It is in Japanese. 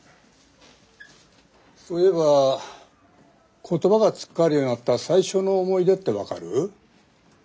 そういえば言葉がつっかえるようになった最初の思い出って分かる？